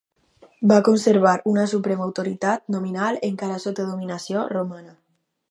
Va conservar una suprema autoritat nominal encara sota dominació romana.